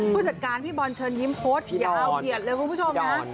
ผู้จัดการพี่บอลเชิญยิ้มโพสต์ยาวเหยียดเลยคุณผู้ชมนะ